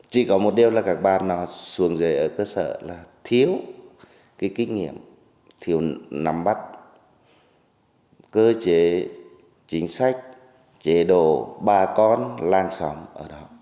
chỉ có một điều là các bàn nó xuồng dày ở cơ sở là thiếu kinh nghiệm thiếu nắm bắt cơ chế chính sách chế độ bà con làng sòng ở đó